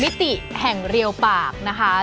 ติแห่งเรียวปากนะคะ